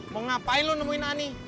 mau ngapain lo nemuin ani